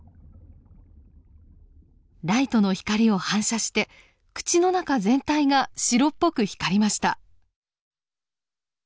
ライトの光を反射して口の中全体が白っぽく光りました。